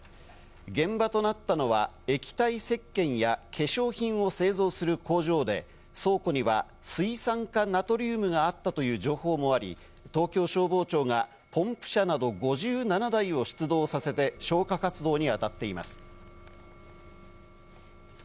現場となったのは液体石けんや化粧品を製造する工場で倉庫には水酸化ナトリウムがあったという情報もあり、東京消防庁がポンプ車など５７台を出動させて消火活動にあたっています。